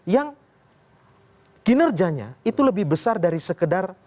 yang kinerjanya itu lebih besar dari sekedar